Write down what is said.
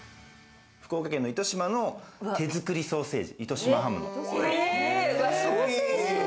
福岡県の糸島の手作りソーセージ糸島ハム。